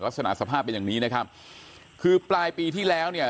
ลักษณะสภาพเป็นอย่างนี้นะครับคือปลายปีที่แล้วเนี่ย